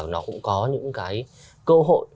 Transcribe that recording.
nó cũng có những cái cơ hội